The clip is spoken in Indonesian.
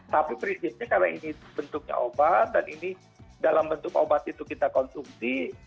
tapi prinsipnya karena ini bentuknya obat dan ini dalam bentuk obat itu kita konsumsi